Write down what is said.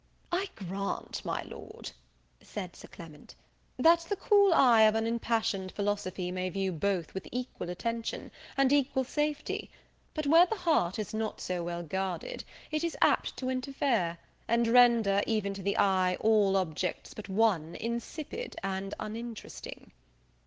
"I grant, my Lord," said Sir Clement, "that the cool eye of unimpassioned philosophy may view both with equal attention, and equal safety; but, where the heart is not so well guarded, it is apt to interfere, and render, even to the eye, all objects but one insipid and uninteresting."